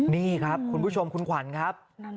นี่ครับคุณผู้ชมคุณขวัญครับ